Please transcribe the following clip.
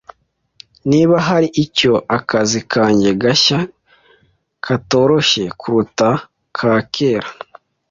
Niba hari icyo, akazi kanjye gashya katoroshye kuruta ka kera.